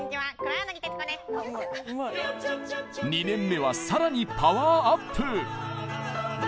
２年目はさらにパワーアップ！